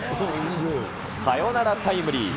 サヨナラタイムリー。